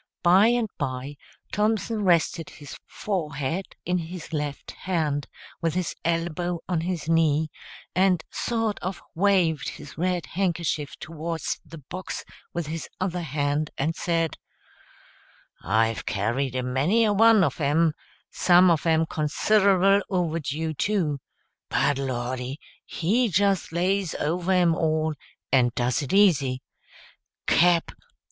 By and by Thompson rested his forehead in his left hand, with his elbow on his knee, and sort of waved his red handkerchief towards the box with his other hand, and said, "I've carried a many a one of 'em, some of 'em considerable overdue, too, but, lordy, he just lays over 'em all! and does it easy Cap.